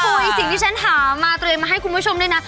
ปุ๊ยสิ่งที่ฉันถามมาตัวเองมาให้คุณผู้ชมด้วยนะ